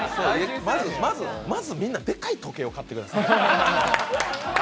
まずみんなデカい時計を買ってください